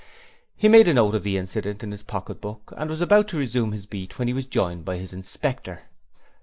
He made a note of the incident in his pocket book and was about to resume his beat when he was joined by his inspector.